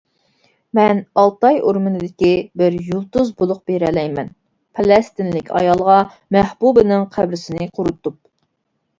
مەن ئالتاي ئورمىنىدىكى بىر يۇلتۇز بۇلۇق بېرەلەيمەن پەلەستىنلىك ئايالغا مەھبۇبىنىڭ قەبرىسىنى قۇرۇتۇپ.